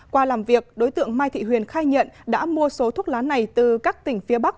qua làm việc đối tượng mai thị huyền khai nhận đã mua số thuốc lá này từ các tỉnh phía bắc